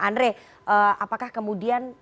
andre apakah kemudian